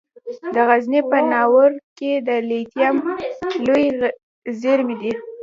د غزني په ناوور کې د لیتیم لویې زیرمې دي.